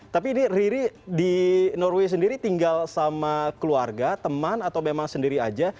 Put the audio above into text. tapi ini riri di norway sendiri tinggal sama keluarga teman atau memang sendiri aja